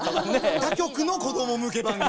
他局の子ども向け番組。